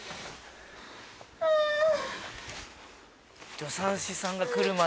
助産師さんが来るまで。